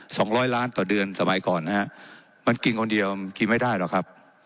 สองร้อยล้านต่อเดือนสมัยก่อนนะฮะมันกินคนเดียวมันกินไม่ได้หรอกครับ